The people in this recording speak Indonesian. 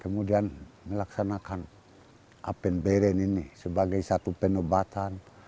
kemudian melaksanakan apen beron ini sebagai satu penobatan